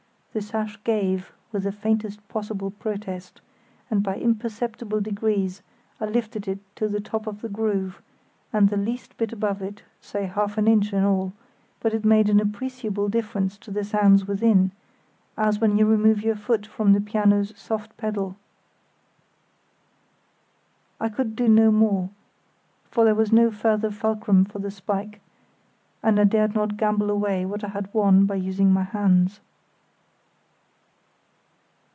The sash gave, with the faintest possible protest, and by imperceptible degrees I lifted it to the top of the groove, and the least bit above it, say half an inch in all; but it made an appreciable difference to the sounds within, as when you remove your foot from a piano's soft pedal. I could do no more, for there was no further fulcrum for the spike, and I dared not gamble away what I had won by using my hands.